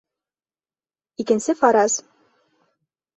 — Икенсе фараз.